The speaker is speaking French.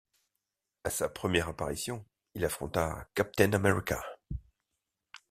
À sa première apparition, il affronta Captain America.